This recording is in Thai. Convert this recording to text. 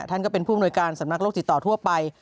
ท่านก็เป็นผู้อำนวยการสำนักโลกติดต่อทั่วไป